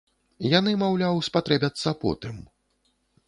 Яны, маўляў, спатрэбяцца потым.